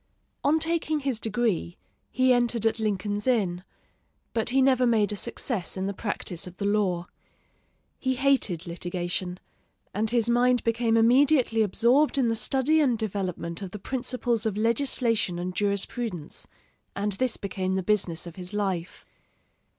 On taking his degree he entered at Lincoln's Inn, but he never made a success in the practice of the law. He hated litigation, and his mind became immediately absorbed in the study and development of the principles of legislation and jurisprudence, and this became the business of his life.